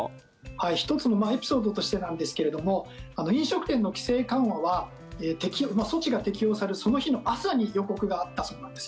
１つのエピソードとしてなんですけれども飲食店の規制緩和は措置が適用される、その日の朝に予告があったそうなんです。